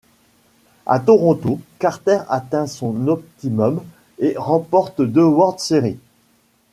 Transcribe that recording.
A Toronto, Carter atteint son optimum et remporte deux World Series.